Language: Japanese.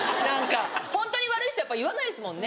ホントに悪い人やっぱ言わないですもんね。